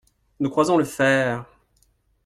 Nous croisons le fer…